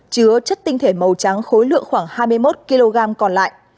chứa chất tinh thể màu trắng khối lượng khoảng hai mươi một kg còn lại